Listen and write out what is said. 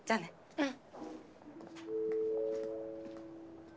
うん。